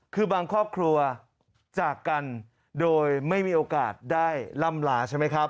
คือบางครอบครัวจากกันโดยไม่มีโอกาสได้ล่ำลาใช่ไหมครับ